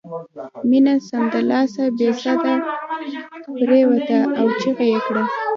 مينه سمدلاسه بې سده پرېوته او چيغه یې کړه